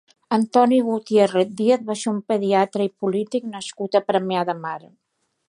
Antoni Gutiérrez Díaz va ser un pediatre i polític nascut a Premià de Mar.